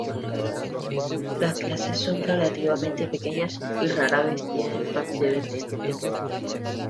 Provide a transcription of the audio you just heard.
Las clases son relativamente pequeñas, y rara vez tienen más de veinte estudiantes.